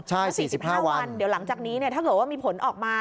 คือ๔๕วันเดี๋ยวหลังจากนี้ถ้าเกิดว่ามีผลออกมา